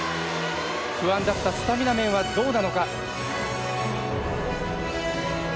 不安だったスタミナ面はどうなのか。